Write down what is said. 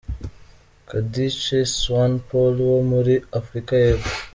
Candice Swanpoel wo muri Afurika y’epfo.